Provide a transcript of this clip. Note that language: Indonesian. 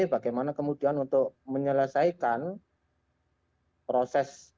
bagaimana kemudian untuk menyelesaikan proses penanganan kekerasan